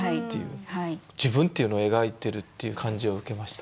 自分っていうのを描いてるっていう感じを受けました。